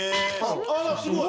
あらすごい！